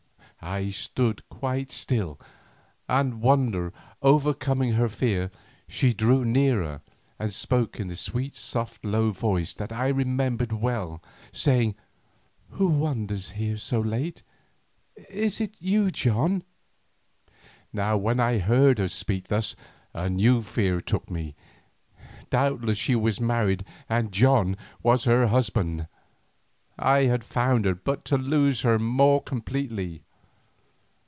I stood quite still, and wonder overcoming her fear, she drew nearer and spoke in the sweet low voice that I remembered well, saying, "Who wanders here so late? Is it you, John?" Now when I heard her speak thus a new fear took me. Doubtless she was married and "John" was her husband. I had found her but to lose her more completely.